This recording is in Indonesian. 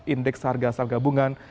indeks harga asal gabungan